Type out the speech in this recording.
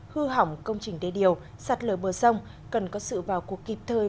hư hỏng công trình đê điều sạt lở bờ sông cần có sự vào cuộc kịp thời